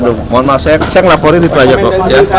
belum mohon maaf saya ngelaporin itu aja kok